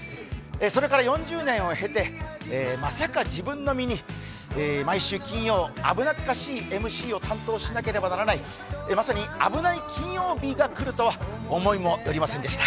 それから４０年を経て、まさか自分の身に、毎週金曜、危なっかしいＭＣを担当しなければいけないまさに危ない金曜日が来るとは思いもよりませんでした。